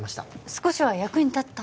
少しは役に立った？